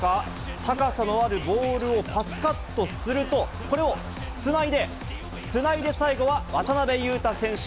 高さのあるボールをパスカットすると、これをつないで、つないで、最後は渡邊雄太選手。